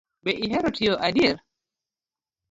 Be ihero tiyo adier?